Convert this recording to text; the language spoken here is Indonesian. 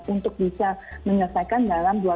untuk bisa menyelesaikan dalam dua belas bulan